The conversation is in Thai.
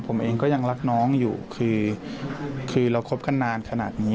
ผมเองก็ยังรักน้องอยู่คือเราคบกันนานขนาดนี้